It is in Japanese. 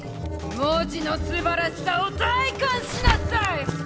文字のすばらしさを体かんしなさい！